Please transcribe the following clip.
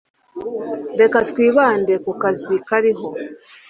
Reka twibande ku kazi kariho.